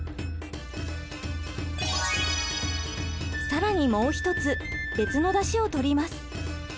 更にもう一つ別のだしをとります。